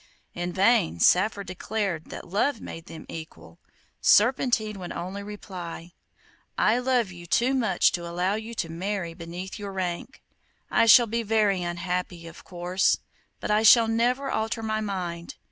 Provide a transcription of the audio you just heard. In vain Saphir declared that love made them equal; Serpentine would only reply: 'I love you too much to allow you to marry beneath your rank. I shall be very unhappy, of course, but I shall never alter my mind.